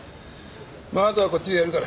まああとはこっちでやるから。